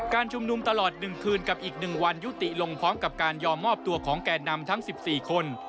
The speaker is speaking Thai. ชุมนุมตลอด๑คืนกับอีก๑วันยุติลงพร้อมกับการยอมมอบตัวของแก่นำทั้ง๑๔คน